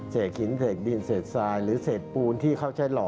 หินเศษดินเศษทรายหรือเศษปูนที่เขาใช้หล่อ